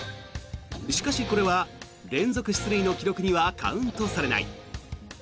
しかし、これは連続出塁の記録にはカウントされない。